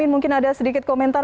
mungkin ada sedikit komentar